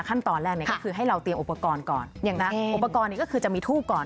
ขั้นตอนแรกเนี่ยก็คือให้เราเตรียมอุปกรณ์ก่อนอย่างนะอุปกรณ์นี้ก็คือจะมีทูบก่อน